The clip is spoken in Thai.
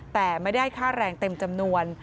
แต่ไม่ได้ค่าแรงเต็มจำนวน